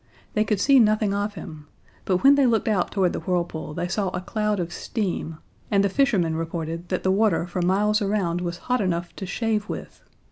They could see nothing of him; but when they looked out toward the whirlpool they saw a cloud of steam; and the fishermen reported that the water for miles around was hot enough to shave with!